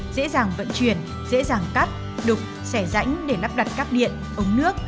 dễ dàng vận chuyển dễ dàng cắt đục xẻ rãnh để lắp đặt các điện ống nước